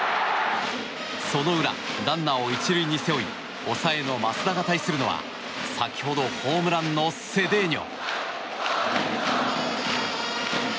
その裏、ランナーを１塁に背負い抑えの益田が対するのは先ほど、ホームランのセデーニョ。